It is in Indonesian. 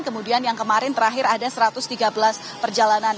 kemudian yang kemarin terakhir ada satu ratus tiga belas perjalanan